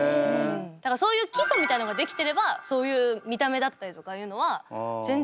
だからそういう基礎みたいなのができてればそういう見た目だったりとかいうのは全然好きなことやらせてくれてた。